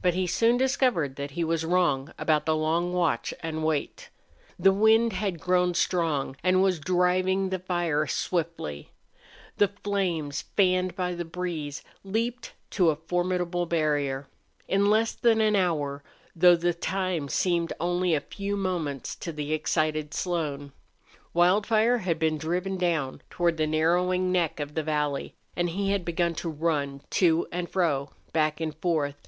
But he soon discovered that he was wrong about the long watch and wait. The wind had grown strong and was driving the fire swiftly. The flames, fanned by the breeze, leaped to a formidable barrier. In less than an hour, though the time seemed only a few moments to the excited Slone, Wildfire had been driven down toward the narrowing neck of the valley, and he had begun to run, to and fro, back and forth.